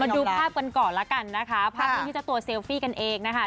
มาดูภาพกันก่อนละกันนะคะภาพนี้จะตัวเซลฟี่กันเองนะคะ